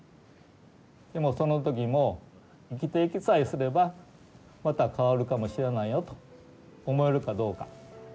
でもその時も生きていきさえすればまた変わるかもしれないよと思えるかどうか。